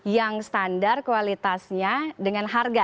yang standar kualitasnya dengan harga